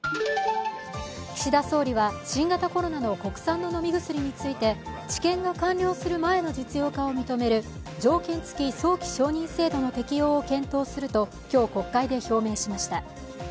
岸田総理は新型コロナの国産の飲み薬について治験が完了する前の実用化を認める条件付き早期承認制度の適用を検討すると今日、国会で表明しました。